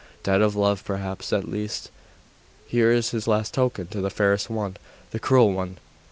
Dead of love, perhaps! at least, here is his last token to the fairest one, the cruel one....